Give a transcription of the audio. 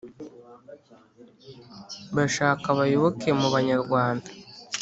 bashaka abayoboke mu banyarwanda.